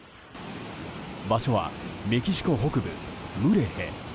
場所はメキシコ北部ムレへ。